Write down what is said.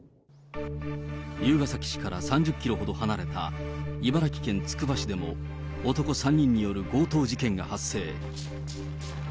龍ケ崎市から３０キロほど離れた茨城県つくば市でも、男３人による強盗事件が発生。